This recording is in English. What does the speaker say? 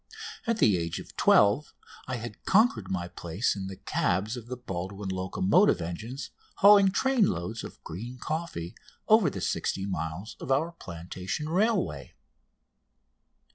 At the age of twelve I had conquered my place in the cabs of the Baldwin locomotive engines hauling train loads of green coffee over the sixty miles of our plantation railway.